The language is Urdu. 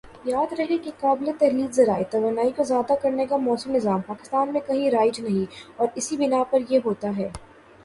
یاد رہے کہ قابلِ تحلیل ذرائع توانائی کو ذیادہ کرنے کا مؤثر نظام پاکستان میں کہیں رائج نہیں اور اسی بنا پر یہ ہوتا ہے